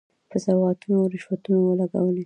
په سوغاتونو او رشوتونو ولګولې.